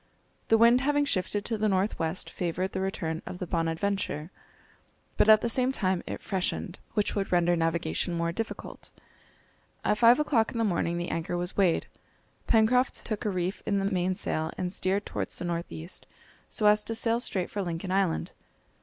The wind having shifted to the north west favoured the return of the Bonadventure, but at the same time it freshened, which would render navigation more difficult. At five o'clock in the morning the anchor was weighed. Pencroft took a reef in the mainsail, and steered towards the north east, so as to sail straight for Lincoln Island.